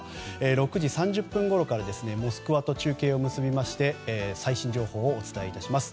６時３０分ごろからモスクワと中継を結びまして最新情報をお伝えいたします。